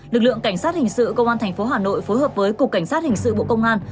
lực lượng cảnh sát hình sự công an tp hà nội phối hợp với cục cảnh sát hình sự bộ công an